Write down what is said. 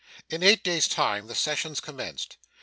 In eight days' time, the sessions commenced.